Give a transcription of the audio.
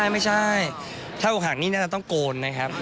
ไม่ใช่ถ้าอกหักนี่เราต้องโกนนะครับ